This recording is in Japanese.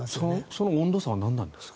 その温度差は何なんですか？